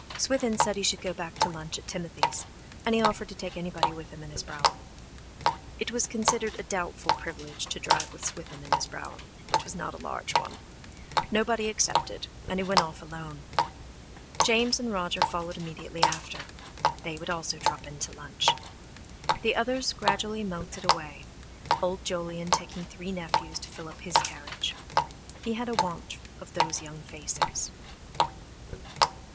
Swithin said he should go back to lunch at Timothy's, and he offered to take anybody with him in his brougham. It was considered a doubtful privilege to drive with Swithin in his brougham, which was not a large one; nobody accepted, and he went off alone. James and Roger followed immediately after; they also would drop in to lunch. The others gradually melted away, Old Jolyon taking three nephews to fill up his carriage; he had a want of those young faces.